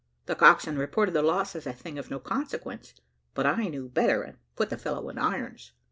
The coxswain reported the loss as a thing of no consequence; but I knew better, and put the fellow in irons.